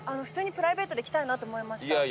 普通にプライベートで来たいなと思いました。